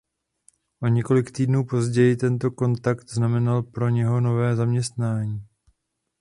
O několik týdnů později tento kontakt znamenal pro něho nové zaměstnání.